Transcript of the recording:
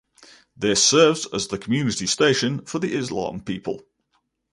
This serves as the community station for the Islam people.